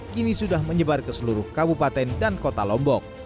kini sudah menyebar ke seluruh kabupaten dan kota lombok